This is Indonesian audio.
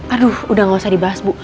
aduh udah gak usah dibahas bu